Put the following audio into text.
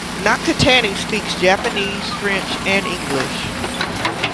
Nakatani speaks Japanese, French, and English.